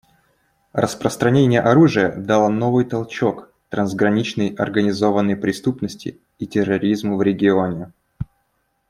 Распространение оружия дало новый толчок трансграничной организованной преступности и терроризму в регионе.